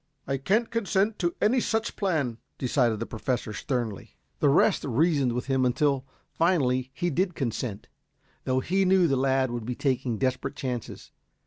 "I can't consent to any such plan," decided the Professor sternly. The rest reasoned with him until, finally, he did consent, though he knew the lad would be taking desperate chances.